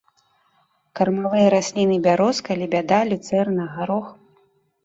Кармавыя расліны бярозка, лебяда, люцэрна, гарох.